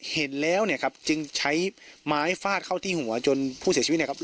เห็นแล้วเนี่ยครับจึงใช้ไม้ฟาดเข้าที่หัวจนผู้เสียชีวิตเนี่ยครับ